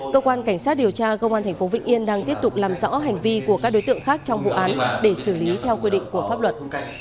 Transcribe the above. cơ quan cảnh sát điều tra công an tp vĩnh yên đang tiếp tục làm rõ hành vi của các đối tượng khác trong vụ án để xử lý theo quy định của pháp luật